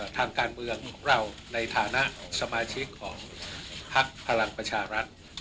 ทางการเมืองของเราในฐานะสมาชิกของพักพลังประชารัฐ